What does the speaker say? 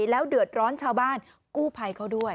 แล้วเดือดร้อนชาวบ้านกู้ภัยเขาด้วย